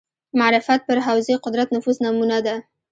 معرفت پر حوزې قدرت نفوذ نمونه ده